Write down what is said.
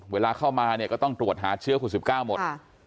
เวลาเข้ามาเนี่ยก็ต้องตรวจหาเชื้อคุณ๑๙หมด